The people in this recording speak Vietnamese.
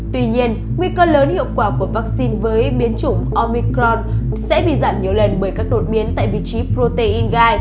tuy nhiên nguy cơ lớn hiệu quả của vaccine với biến chủng omicron sẽ bị giảm nhiều lần bởi các đột biến tại vị trí protein gai